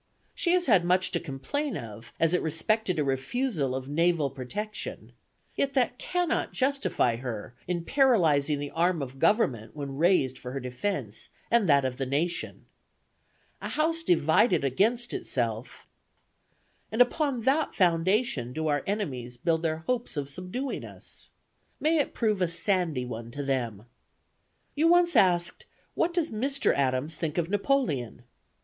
She has had much to complain of as it respected a refusal of naval protection, yet that cannot justify her in paralyzing the arm of government when raised for her defence and that of the nation. A house divided against itself and upon that foundation do our enemies build their hopes of subduing us. May it prove a sandy one to them. "You once asked what does Mr. Adams think of Napoleon?